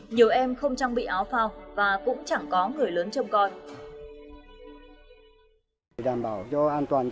nhiều em không trang bị áo phao và cũng chẳng có người lớn châm con